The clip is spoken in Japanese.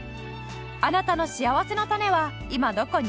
あなたのしあわせのたねは今どこに？